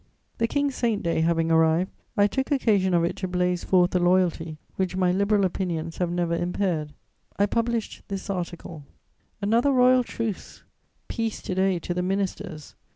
The King's saint's day having arrived, I took occasion of it to blaze forth a loyalty which my Liberal opinions have never impaired. I published this article: "Another royal truce! "Peace to day to the ministers!